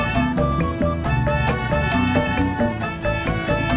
terima kasih ya